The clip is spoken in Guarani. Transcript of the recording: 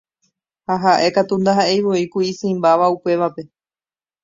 Ha ha'e katu ndaha'eivoi ku isỹimbáva upévape.